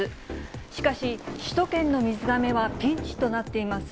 しかし、首都圏の水がめはピンチとなっています。